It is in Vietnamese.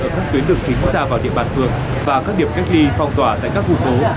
ở các tuyến được chính ra vào địa bàn phường và các điểm cách ly phong tỏa tại các khu phố